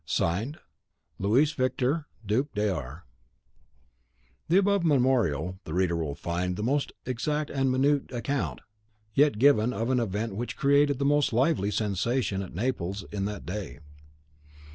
(Signed) "Louis Victor, Duc de R." In the above memorial, the reader will find the most exact and minute account yet given of an event which created the most lively sensation at Naples in that day.